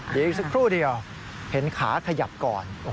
เดี๋ยวอีกสักครู่เดียวเห็นขาขยับก่อน